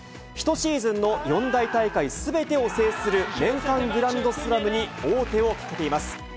１シーズンの四大大会すべてを制する年間グランドスラムに王手をかけています。